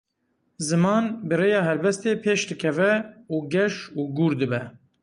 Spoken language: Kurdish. Ziman, bi rêya helbestê pêş dikeve û geş û gûr dibe.